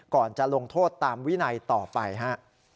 จะลงโทษตามวินัยต่อไปฮะ